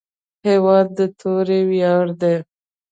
هېواد د توري ویاړ دی.